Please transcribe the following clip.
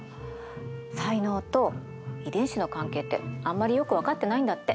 才能と遺伝子の関係ってあんまりよく分かってないんだって。